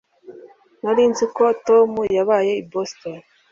Sinari nzi ko Tom yabaga i Boston